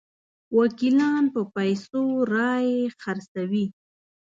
وکیلان په پیسو رایې خرڅوي.